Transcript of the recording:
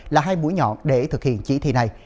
là hai mũi nhọn để thực hiện chỉ thị này